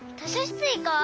ついこう！